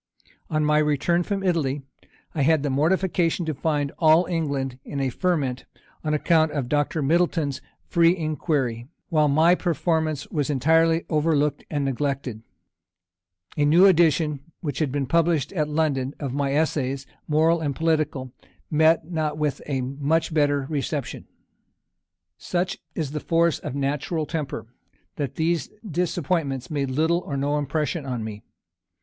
On my return from Italy, I had the mortification to find all England in a ferment, on account of Dr. Middleton's Free Inquiry, while my performance was entirely overlooked and neglected, A new edition, which had been published at London, of my Essays, moral and political, met not with a much better reception. Such is the force of natural temper, that these disappointments made little or no impression on me.